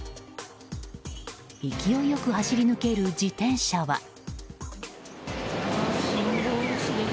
勢いよく走り抜ける自転車は。